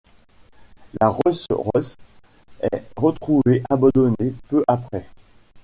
La Rolls Royce est retrouvée abandonnée peu après.